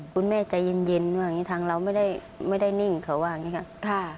คุณแม่ใจเย็นมากทางเราไม่ได้นิ่งเขาว่าอย่างนี้ค่ะ